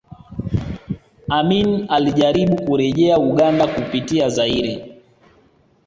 Amin alijaribu kurejea Uganda kupitia Zaire